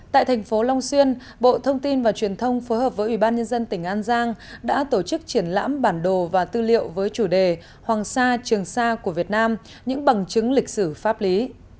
tại thành phố long xuyên bộ thông tin và truyền thông phối hợp với ubnd tỉnh an giang đã tổ chức triển lãm bản đồ và tư liệu với chủ đề hoàng sa trường xa của việt nam những bằng chứng lịch sử pháp lý